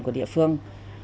của địa phương